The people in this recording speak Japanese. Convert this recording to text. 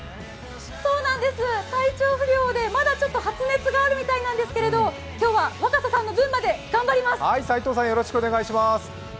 体調不良でまだ発熱があるみたいなんですけど今日は若狭さんの分まで頑張ります。